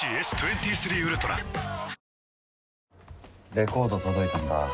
レコード届いたんだ